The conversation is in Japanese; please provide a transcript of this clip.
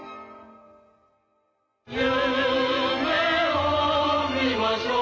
「夢を見ましょう」